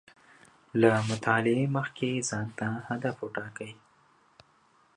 له مطالعې مخکې ځان ته هدف و ټاکئ